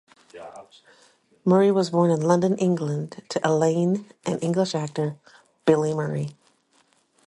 Murray was born in London, England, to Elaine and English actor Billy Murray.